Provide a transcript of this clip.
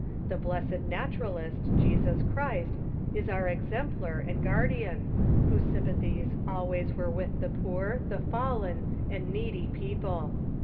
The blessed Naturalist, Jesus Clirist, is our exemplar and guar> dian, whose sympathies always were with the poor, the fallen and needy people.